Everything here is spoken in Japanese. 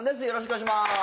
よろしくお願いします